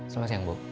selamat siang bu